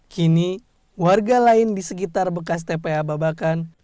kini warga lain di sekitar bekas tpa babakan